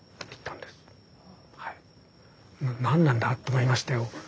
何なんだと思いましたよ。